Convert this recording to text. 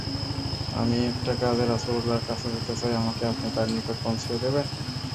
আমি একটি কাজে রাসূলুল্লাহর কাছে যেতে চাই, আমাকে আপনি তার নিকট পৌঁছিয়ে দেবেন?